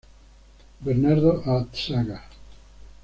Bernardo Atxaga.